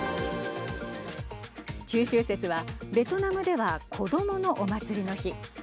中秋節はベトナムでは子どものお祭りの日。